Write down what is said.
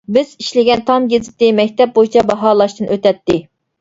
بىز ئىشلىگەن تام گېزىتى مەكتەپ بويىچە باھالاشتىن ئۆتەتتى.